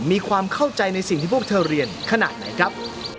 มีความเข้าใจในสิ่งที่พวกเธอเรียนขนาดไหนครับ